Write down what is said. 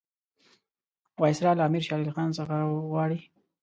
وایسرا له امیر شېر علي خان څخه غواړي.